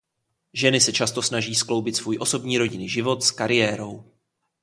Ženy se často snaží skloubit svůj osobní rodinný život s kariérou.